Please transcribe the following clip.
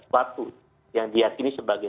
suatu yang diakini sebagai